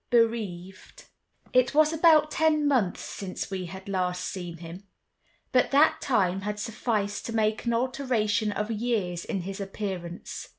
Bereaved It was about ten months since we had last seen him: but that time had sufficed to make an alteration of years in his appearance.